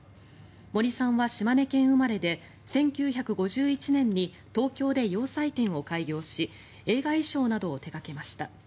森さんは島根県生まれで１９５１年に東京で洋裁店を開業し映画衣装などを手掛けました。